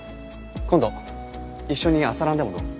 今度一緒に朝ランでもどう？